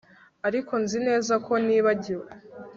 ariko nzi neza ko nibagiwe